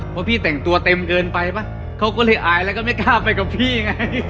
เพราะพี่แต่งตัวเต็มเกินไปป่ะเขาก็เลยอายแล้วก็ไม่กล้าไปกับพี่ไง